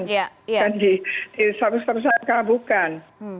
bukan disangka sangka bukan